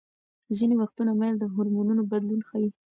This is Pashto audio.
ځینې وختونه میل د هورمونونو بدلون ښيي.